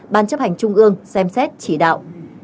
ban chấp hành trung ương xem xét chỉ đạo